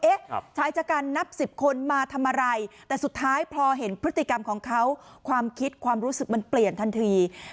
ชายชะกันนับสิบคนมาทำอะไรแต่สุดท้ายพอเห็นพฤติกรรมของเขาความคิดความรู้สึกมันเปลี่ยนทันที